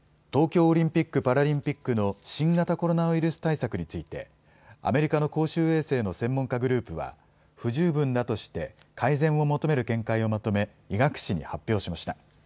東京オリンピック・パラリンピックの新型コロナウイルス対策について、アメリカの公衆衛生の専門家グループは、不十分だとして、改善を求める見解をまとめ、医学誌に発表しました。